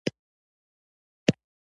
په کلي کې یې لوی غم جوړ کړ.